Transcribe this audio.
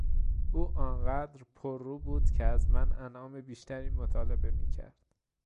او آن قدر پررو بود که از من انعام بیشتری مطالبه میکرد!